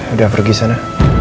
udah pergi sana